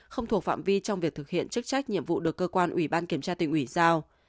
không thuộc phạm vi trong việc thực hiện chức trách nhiệm vụ được cơ quan ủy ban kiểm tra tỉnh ủy giao